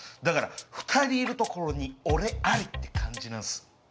だから２人いるところに俺ありって感じなんす。